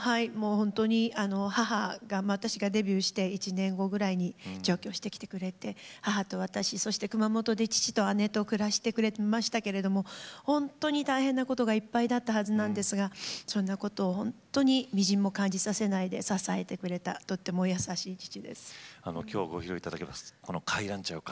母が私がデビューして１年後ぐらいに上京してきてくれて母と私、そして熊本で父と姉と暮らしてくれましたけれども本当に大変なことがいっぱいあったはずなんですがそんなことをみじんも感じさせないできょうご披露いただきます「帰らんちゃよか」。